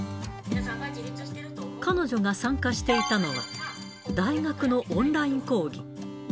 彼女が参加していたのは、大学のオンライン講義。